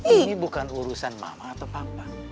ini bukan urusan mama atau papa